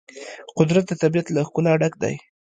قدرت د طبیعت له ښکلا ډک دی.